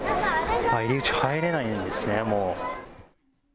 入り口、入れないんですね、もう。